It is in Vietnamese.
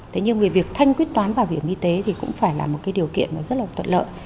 thế nhưng về việc thanh quyết toán bảo hiểm y tế thì cũng phải là một cái điều kiện rất là thuận lợi